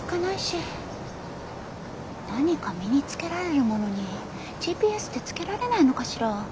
何か身につけられるものにＧＰＳってつけられないのかしら？